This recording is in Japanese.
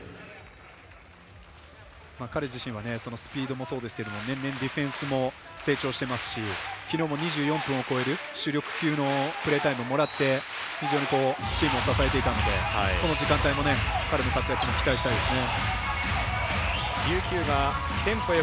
彼自身はスピードもそうですけど年々ディフェンスも成長していますしきのうも２４分を超える主力級のプレータイムをもらって非常にチームを支えていたのでこの時間帯も彼の活躍に期待したいですね。